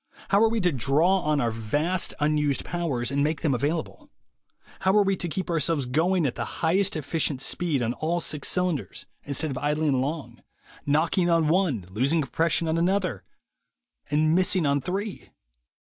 How are we to draw on our vast unused powers and make them available? How are we to keep ourselves going at the highest efficient speed on all six cylinders, instead of idling along, knocking 142 THE WAY TO WILL POWER on one, losing compression on another, and missing on three?